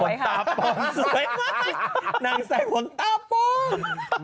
หัวตาปลอมสวยมากนั่งใส่หัวตาปลอม